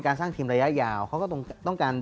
สร้างทีมระยะยาวเขาก็ต้องการ